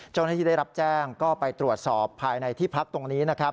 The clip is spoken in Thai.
เจ้าหน้าที่ได้รับแจ้งก็ไปตรวจสอบภายในที่พักตรงนี้นะครับ